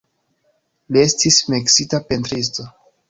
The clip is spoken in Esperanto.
Li estis meksika pentristo.